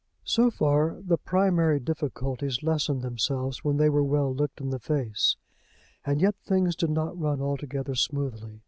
So far the primary difficulties lessened themselves when they were well looked in the face. And yet things did not run altogether smoothly.